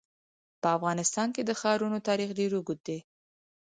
په افغانستان کې د ښارونو تاریخ ډېر اوږد دی.